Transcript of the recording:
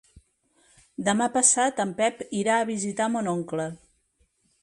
Demà passat en Pep irà a visitar mon oncle.